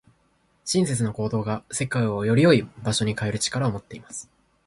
親切な行動が、世界をより良い場所に変える力を持っています。